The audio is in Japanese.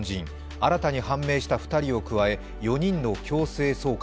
新たに判明した２人を加え４人の強制送還